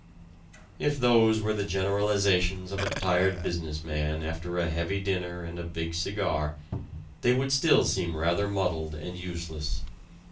If those were the generalizations of a tired business man after a heavy dinner and a big cigar, they would still seem rather muddled and useless.